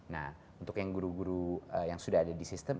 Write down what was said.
nah untuk yang guru guru yang sudah ada di sistem